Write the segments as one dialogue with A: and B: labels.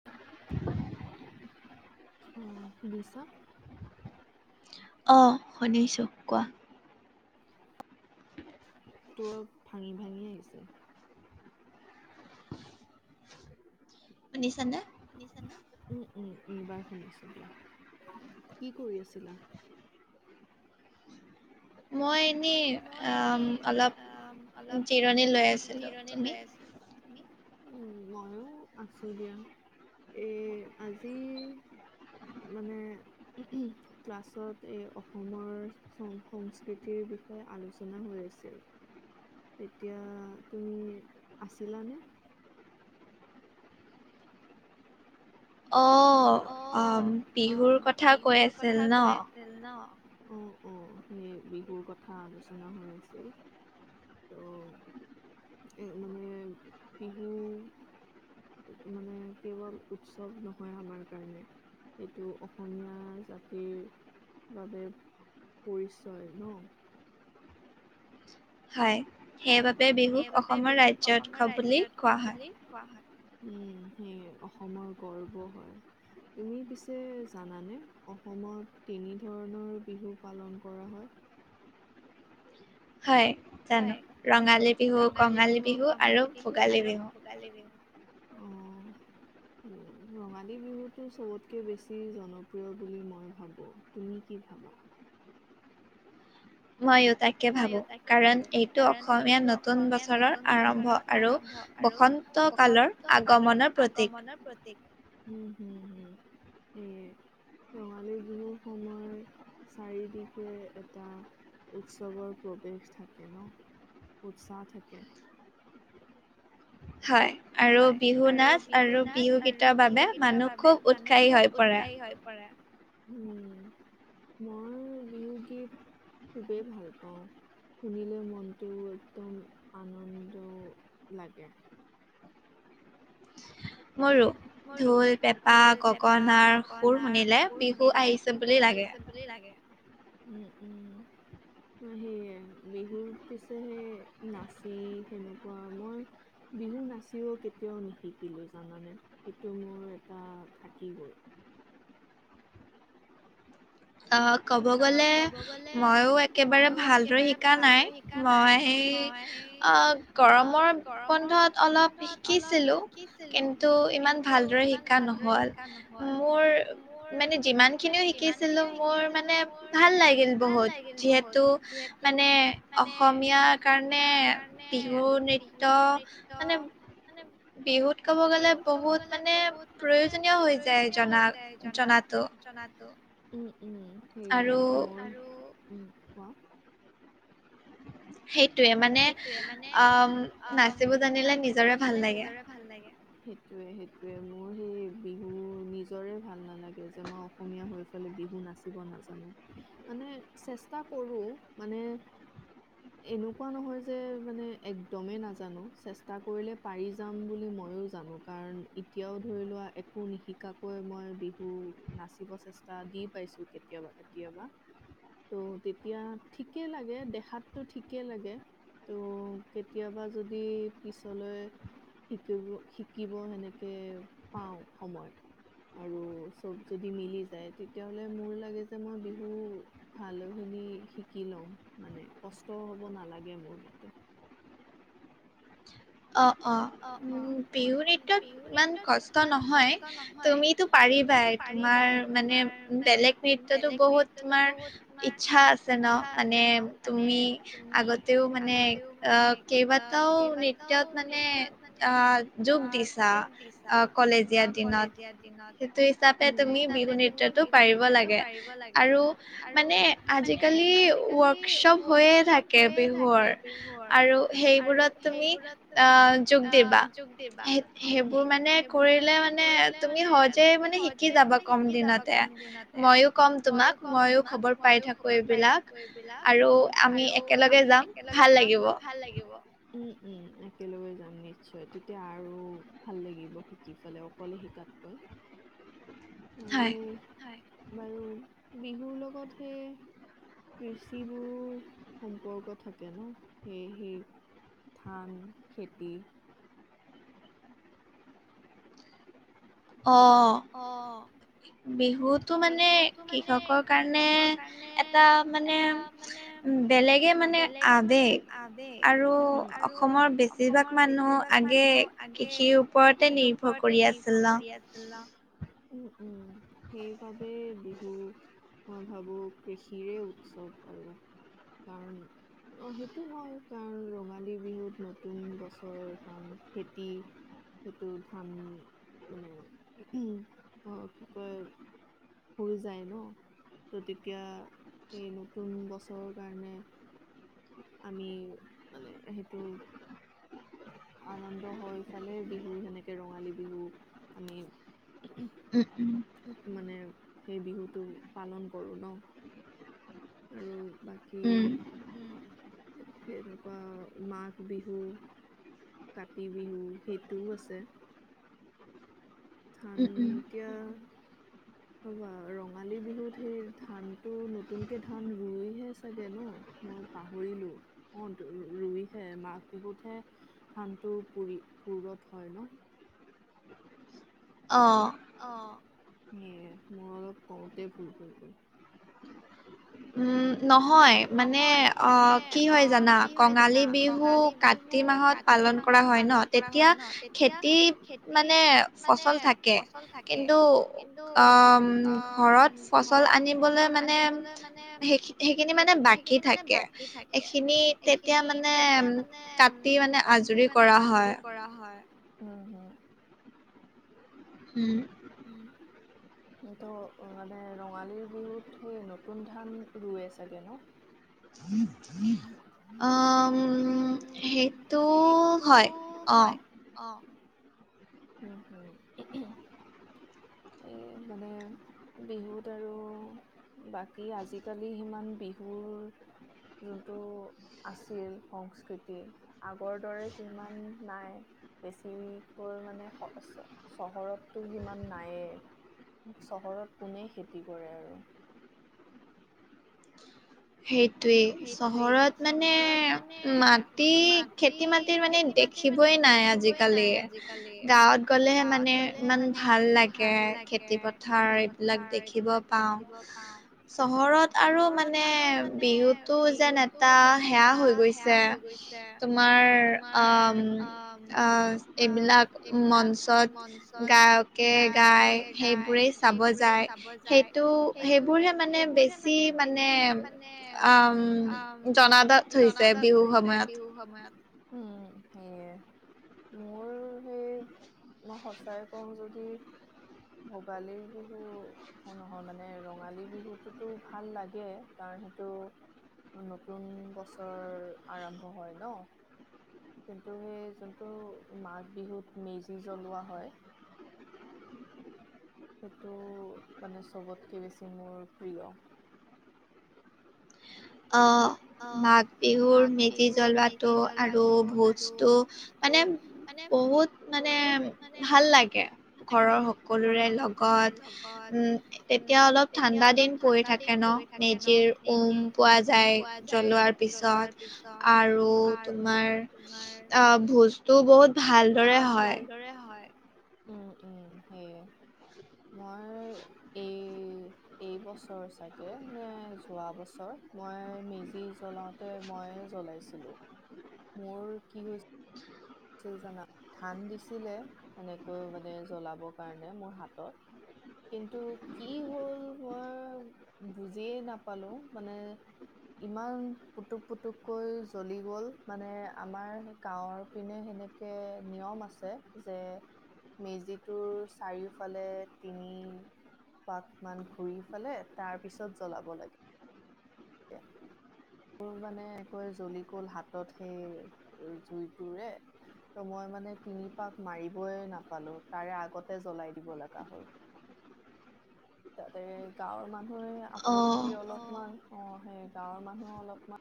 A: [inaudible]
B: অ', সুধিছা।
A: অ', শুনিছো। কোৱা?
B: টোৰ ভাঙি ভাঙি আহিছে।
A: শুনিছা নে?
B: শুনিছানে উম, উম, এইবাৰ শুনিছো দিয়া। কি কৰি আছিলা? মই এনেই আহ অলপ জিৰণি লৈ আছিলো। উম', মইও আছো দিয়া এ, আজি মানে ক্লাছত এই অসমৰ সং সংস্কৃতিৰ বিষয়ে আলোচনা হৈ আছিল। তেতিয়া তুমি আছিলানে?
A: অ', অ, বিহুৰ কথা কৈ আছিল ন?
B: ন, উম, উম, সেই বিহুৰ কথা আলোচনা হৈ আছিল। ত', এ, মানে বিহু মানে কেৱল উৎসৱ নহয়। আমাৰ কাৰণে এইটো অসমীয়া জাতিৰ বাবে পৰিচয় ন।
A: হয়। সেইবাবে বিহুক অসমৰ ৰাজ্য উৎসৱ বুলি কোৱা হয়।
B: কোৱা হয়। উম, সেই অসমৰ গৰ্ব হয়। তুমি পিছে জানানে অসমত তিনি ধৰণৰ বিহু পালন কৰা হয়।
A: হয়। জানো ৰঙালী বিহু, কঙালী বিহু আৰু ভোগালী বিহু।
B: কাইলৈ বিহুৰ অ, ৰঙালী বিহুতটো চ'বতকে বেছি জনপ্ৰিয় বুলি মই ভাবোঁ। তুমি কি ভাবা?
A: মইও তাক
B: মইয়ো থাকে ভাবো কাৰণ এইটো অসমীয়া নতুন বছৰৰ আৰম্ভ। আৰু বসন্ত কালৰ আগমনৰ প্ৰতীক। উম', হুম, হম, সেইয়ে। ৰঙালী বিহুৰ সময়ত চাৰিদিশে এটা উৎ উৎসৱৰ প্ৰৱেশ থাকে ন। উৎসাহ থাকে।
A: হয়। আৰু বিহু নাচ আৰু বিহু গীতৰ বাবে মানুহ খুব উৎসাহী হৈ পৰে।
B: উম', মই বিহু গীত খুবেই ভাল পাওঁ। শুনিলে মনটো একদম আনন্দ লাগে।
A: মোৰো। ঢোল, পেঁপা, গগনাৰ, সুৰ শুনিলে বিহু আহিছে বুলি লাগে।
B: বুলি লাগে। উম, উম, সেয়ে বিহুত পিছে হে, নাছি সেনেকুৱা মই বিহু নাচিও কেতিয়াও নিশিকিলো জানানে, সেইটো মোৰ এটা থাকি গ'ল।
A: অ', ক'ব গ'লে মইো একেবাৰে ভালদৰে শিকা নাই। মই সেই গৰমৰ বন্ধত অলপ শিকিছিলো। কিন্তু ইমান ভালদৰে শিকা নহল। মোৰ মানে যিমান খিনিও শিকিছিলো মো
B: আছিলোঁ, মোৰ মানে ভাল লাগিল বহুত যিহেতু মানে অস অসমীয়াাৰ কাৰণে বিহু নৃত্য মানে
A: বিহুত
B: বিহুত ক'ব গলে বহুত মানে প্ৰয়োজনীয় হৈ যায় জনা জনাতো। উম, উম। সেয়ে, উম, কোৱা।
A: সেইটয়ে মানে।
B: সেইটোৱে মানে অ' নাচিব জানিলে নিজৰে ভাল লাগে। সেইটোয়ে, সেইটোৱে, মোৰ সেই বিহু নিজৰে ভাল নালাগে যে মই অসমীয়া হৈ পেলাই বিহু নাচিব নাজানো। মানে চেষ্টা কৰো, মানে এনো এনেকুৱা নহয় যে মানে একদমেই নাজানো, চেষ্টা কৰিলে পাৰি যাম বুলি ময়ও জানো, কাৰণ এতিয়াও ধৰি লোৱা একো নিশিকাকৈ মই বিহু নাচিব চেষ্টা দি পাইছো কেতিয়াবাতে। কেতিয়াবা ত' তেতিয়া ঠিকে লাগে দেখাতটো ঠিকে লাগে। ত' কেতিয়াবা যদি পিছলৈ শিকব শিকিব সেনেকৈ পাওঁ সময়। আৰু চ'ব যদি মিলি যায়, তেতিয়াাহ'লে মোৰ লাগে যে মই বিহু ভালো খিনি শিকি লম। মানে কষ্ট হ'ব নালাগে মোৰ মতে। অ', অ'। উম বিহু নৃত্যত ইমান কষ্ট নহয়। তুমিটো পাৰিবাই তোমাৰ মানে বেলেগ নৃত্যতো বহুত তোমাৰ ইচ্ছা আছে ন' মানে তুমি আগতেও মানে অ' কেইবাটাও নৃত তত মানে অ' যোগ দিছা অ' কলেজীয়া দিনত। সেইতাতে তুমি বিহু নৃত্যটো পাৰিব লাগে আৰু মানে আজিকালি ৱৰ্কশ্বপ হৈয়ে থাকে, বিহুৰ আৰু সেইবোৰত
A: অ' যোগ দিবা। সেইবোৰ মানে কৰিলে মানে, তুমি সহজে মানে শিকি যাবা কম দিনতে। ময়ো কম তোমাক ময়ো খবৰ পাই থাকো এইবিলাক। আৰু আমি একেলগে যাম ভাল লাগিব।
B: উম। উম। একেলগে যাম। নিশ্চয়। তেতিয়া আৰু ভাল লাগিব শিকি পেলাই অকলে শিকাতকৈ। আৰু বাৰু বিহুৰ লগত সেই কৃষিবোৰো সম্পৰ্ক থাকে ন? সেই সেই ধান খেতি
A: অ'।
B: অ'।
A: বিহুত
B: বিহুতো মানে কৃষকৰ কাৰণে এটা মানে বেলেগে মানে আবেগ আৰু অসমৰ বেছিভাগ মানুহ আগে কৃষিৰ ওপৰতে নিৰ্ভৰ কৰি আছিল ন? উম! উম! সেইবাবে বিহু মই ভাবোঁ কৃষিৰে উৎসৱ আৰু। কাৰণ অ', সেইটো হয়। কাৰণ ৰঙালী বিহুত নতুন বছৰ কাৰণ খেতি সেইটো ধান মানে অ', কি কয় হৈ যায় ন তো তেতিয়া সেই নতুন বছৰৰ কাৰণে আমি মানে সেইটো আনন্দ হয় ইফালে বিহু সেনেকে ৰঙালী বিহু আমি
A: উম! উম!
B: উম! মানে সেই বিহুটো পালন কৰো ন? আৰু বাকী এনেকুৱা মাঘ বিহু কাতি বিহু সেইটোও আছে! ধান এতিয়া ৰঙালী বিহুত সেই ধান টো নতুন কে ধান ৰুৱে হে চাগে ন মই পাহৰিলো অ টো ৰুইহে মাঘ বিহুত হে ধানটো পুৰি পুৰঠ হয় ন?
A: অ'
B: অ' সেয়া মোৰ অলপ কওঁতে ভুল হ'ল।
A: উম! নহয় মানে অ' কি হয় জানা? কঙালী বিহু কাতি মাহত পালন কৰা হয় ন? তেতিয়া খেতি মানে ফচল থাকে কিন্তু অ' ঘৰত ফচল আনিবলৈ মানে
B: মানে সেই সেইখিনি মানে বাকী থাকে! এইখিনি তেতিয়া মানে উম তাত এই খিনি মানে আজৰি কৰা হয় উম
A: উম!
B: উম! ত'মানে ৰঙালীৰ বিহুত সেই নতুন ধান ৰুৱে চাগে ন? [inaudible] অ' উম! সেইটো হয়? অ' [inaudible] এই মানে বিহুত আৰু বাকী আজিকালি সিমান বিহুৰ যোনটো আছিল সংস্কৃতি আগৰ দৰে সিমান নাই বেছিকৈ মানে চহৰতটো সিমান নাই মানে চহৰত কোনে খেতি কৰে আৰু সেইটোৱেই চহৰত মানে মাটি খেতি মাটি খেতি মানে দেখিবই নাই আজিকালি গাঁৱত গ'লেহে মানে ভাল লাগে খেতি পথাৰ এইবিলাক দেখিব পাওঁ চহৰত আৰু মানে বিহুতো যেন এটা সেয়া হৈ গৈছে তোমাৰ অ উ অ এইবিলাক মঞ্চত গায়কে গাই সেইবোৰেই চাব যায় সেইটো সেইবোৰহে মানে বেছি মানে আ জনাজাত হৈছে সময়ত বিহুৰ সময়ত উম সেয়ে মোৰ সেই মই সঁচাই কওঁ যদি ভোগালীৰ বিহু নহয় মানে ৰঙালী বিহুতোতো ভাল লাগে কাৰণ সেইটো নতুন বছৰ আৰম্ভ হয় ন। কিন্তু সেই যোনটো মাঘ বিহুত মেজি জ্বলোৱা হয় সেইটো ও ও ও মানে চবতকে বেছি মোৰ প্ৰিয়।
A: অ অ, মাঘ বিহুৰ মেজি জ্বলাটো আৰু ভোজটো মানে বহুত মানে ভাল লাগে। ঘৰৰ সকলোৰে লগত ইহ্ ইহ্ উম, এ তেতিয়া অলপ ঠাণ্ডা দিন পৰি থাকে ন। মেজিৰ উম পোৱা
B: উম পোৱা যায় জ্বলোৱাৰ পিছত আৰু তোমাৰ
A: আৰু ভোজটো বহুত ভাল।
B: অ অ ভালদৰে হয়। উম উম সেইয়ে। মই এ এ এ ই। এই বছৰ চাগে নে যোৱা বছৰ মই মেজি জলাওঁ তে মইয়ে জ্বলাইছিলো মোৰ কি হৈ ছিল জানা ধান দিছিলে সেনেকৈ মানে জ্বলাব কাৰণে মোৰ হাতত। কিন্তু কি হ'ল মই বুজিয়ে নাপালো মানে ইমান পুতুক পুতুককৈ জ্বলি গ'ল মানে আমাৰ গাঁৱৰ পিনে সেনেক একে নিয়ম আছে যে মেজিটোৰ চাৰিওফালে তিনি পাক মান ঘূৰি ফালে তাৰ পিছত জ্বলাব লাগে। তাকে। মোৰ মানে একৈ জ্বলি গ'ল হাতত সেই জুইটোৰে। ত' মই মানে তিনি পাক মাৰিবই নাপালো তাৰে আগতে জ্বলাই দিব লাগা হ'ল। তাতে গাঁৱৰ মানুহে আপত্তি অলপমান অ সেই গাঁৱৰ মানুহো অলপমান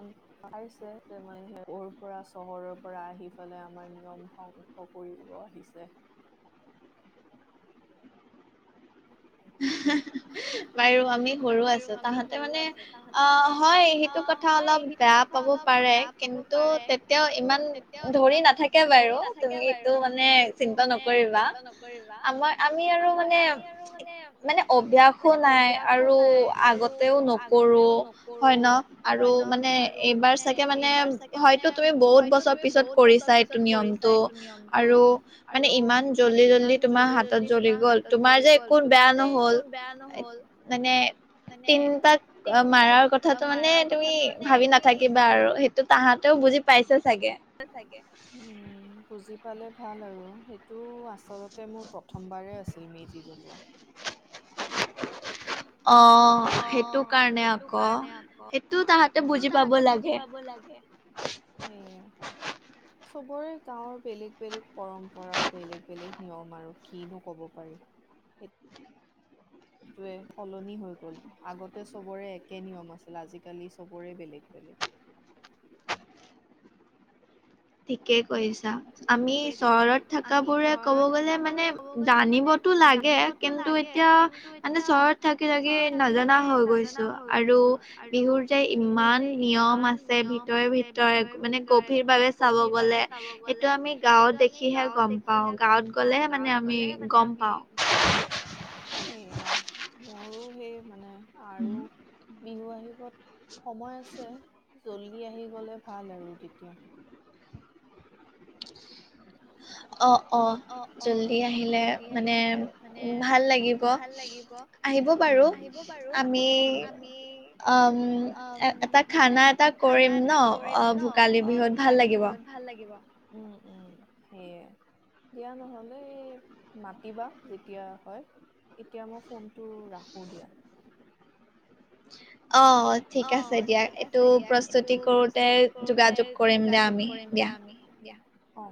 B: আন পাইছে যে মানে সিৰ কৌৰ পৰা চহৰৰ পৰা আহি পেলাই আমাৰ নিয়ম ধংস কৰিব আহিছে।
A: হে হেহে। ই ইহ ই ই, বাৰু আমি সৰু আছো তাহতে মানে এহ আ আ আ হয় সেইটো কথা অলপ বেয়া পাব পাৰে কিন্তু তেতিয়াও ইমান ধৰি নাথাকে বাৰু তুমিতো মানে চিন্তা নকৰিবা আমাৰ আমি আৰু মানে
B: মানে
A: মানে অভ্যাসো নাই আৰু আগতেও নকৰো হয় ন। আৰু মানে এইবাৰ চাগে মানে হয়তো তুমি বহুত বছৰ পিছত কৰিছা এইটো নিয়ম। ত আহ আ আৰু মানে ইমান জল্দি জল্দি তোমাৰ হাতত জ্বলি গ'ল তোমাৰ যে একো বেয়া নহ'ল। হ'ল, এত মানে তিনপাক আ মাৰাৰ কথাটো মানে তুমি ভাবি নাথাকিবা আৰু আৰু সেইটো তাহাঁতেও বুজি পাইছে চাগে।
B: সঁচাকে উম উম উ উ উ, বুজি পালে ভাল আৰু সেইটো আচল তে মোৰ প্ৰথমবাৰে আছিল মেজি জ্বলোৱা।
A: অঁ অ অ। অহ সেইটো কাৰণে আকৌ সেইটো তাহতে বুজি পাব লাগে।
B: সেইয়ে ছ ছ ছ্। সবৰে গাঁৱৰ বেলেগ বেলেগ পৰম্পৰা বেলেগ বেলেগ নিয়ম আৰু কিনো ক'ব পাৰি। সেইটোৱে সলনি হৈ গ'ল আগতে চবৰে একে নিয়ম আছিল আজিকালি চবৰে বেলেগ বেলেগ।
A: ঠিকেই কৈছা। আমি চহৰত থাকাবোৰে ক'ব গ'লে মানে জানিবতো লাগে। কিন্তু এতিয়া মানে চহৰত থাকি থাকি নজনা হৈ গৈছো আৰু বিহুৰ যে নিয়ম আছে ভিতৰে ভিতৰে মানে গভীৰ চাও। ক গলে সেইটো আমি সিহে গম পাওঁ গাঁৱত গ'লেহে মানে আমি গম পাওঁ
B: গম পাও সেয় মোৰো সেই মানে আৰু বিহু আহিবত সময় আছে জল্দি আহি গলে ভাল আৰু তেতিয়া। অ অ জল্দি আহিলে মানে ভাল লাগিব। আহিব পাৰো আমি অ এ এটা খানা এটা কৰিম ন অ ভোগালী বিহুত ভাল লাগিব উম উম সেয়ে। দিয়া নহলে এই মাতিবা যেতিয়া হয়। এতিয়া মই ফোনটো ৰাখো দিয়া
A: অ-
B: অ, ঠিক আছে দিয়া এইটো প্ৰস্তুতি কৰোতে, যোগাযোগ কৰিম দিয়া আমি দিয়া। অ-